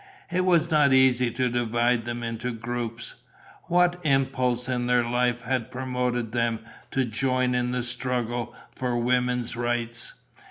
It was not easy to divide them into groups. What impulse in their lives had prompted them to join in the struggle for women's rights?